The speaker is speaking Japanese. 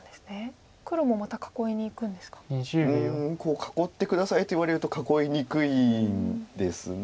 囲って下さいと言われると囲いにくいんです。